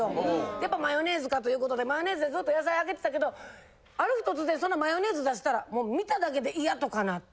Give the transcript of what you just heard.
やっぱマヨネーズかということでマヨネーズでずっと野菜あげてたけどある日突然そのマヨネーズ出したらもう見ただけでイヤとかなって。